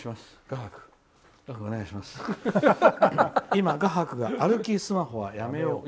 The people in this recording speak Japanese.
今、画伯が歩きスマホはやめようと。